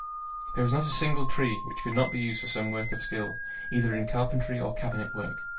There was not a single tree which could not be used for some work of skill, either in carpentry or cabinet work.